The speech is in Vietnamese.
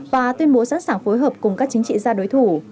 và tuyên bố sẵn sàng phối hợp cùng các chính trị gia đối thủ